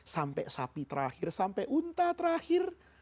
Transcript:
sampai sapi terakhir sampai unta terakhir